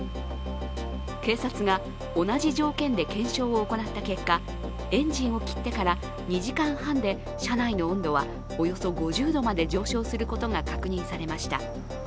警察が同じ条件で検証を行った結果、エンジンを切ってから２時間半で車内の温度はおよそ５０度まで上昇することが確認されました